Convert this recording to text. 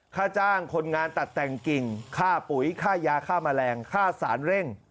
ค่าจ้างคนงานตัดแต่งกิ่งค่าปุ๋ยค่ายาค่าแมลงค่าสารเร่ง